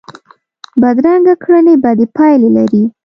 بدرنګه کړنې بدې پایلې لري